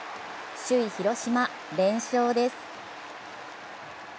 首位・広島、連勝です。